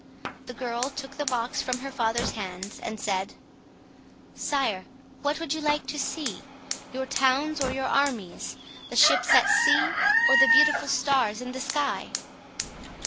The girl took the box from her father's hands, and said— "Sire, what would you like to see? Your towns or your armies; the ships at sea, or the beautiful stars in the sky?"